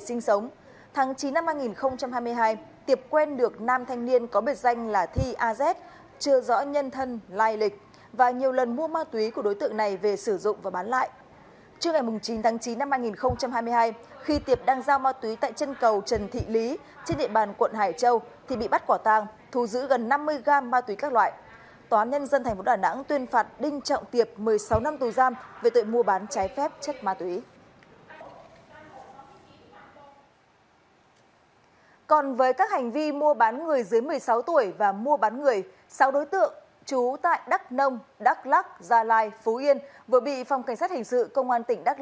xin chào các bạn đến với tiểu mục lệnh truy nã